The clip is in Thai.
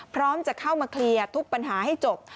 พร้อมจะเข้ามาเคลียร์ทุกปัญหาให้จบ